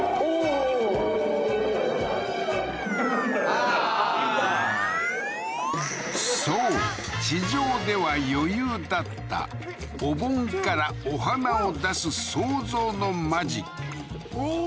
あーそう地上では余裕だったお盆からお花を出す創造のマジックおおー